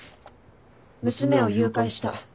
娘を誘拐した。